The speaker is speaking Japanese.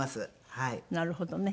なるほどね。